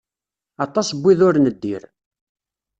Aṭas n wid ur neddir.